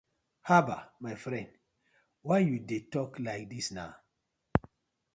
Habbah my friend why yu dey tok like dis na.